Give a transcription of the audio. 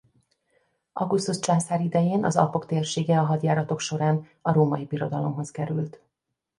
Augustus császár idején az Alpok térsége a hadjáratok során a Római Birodalomhoz került.